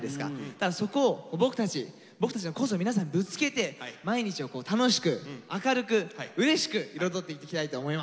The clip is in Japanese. だからそこを僕たち僕たちの個性を皆さんにぶつけて毎日を楽しく明るくうれしく彩っていきたいと思います。